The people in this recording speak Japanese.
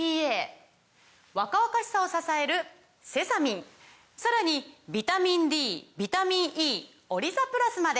若々しさを支えるセサミンさらにビタミンＤビタミンＥオリザプラスまで！